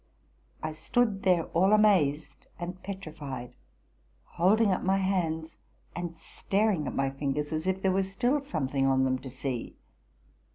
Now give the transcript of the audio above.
I stood there all amazed and 44 TRUTH AND FICTION petrified, holding up my hands, and staring at my fingers as if there were still something on them to see.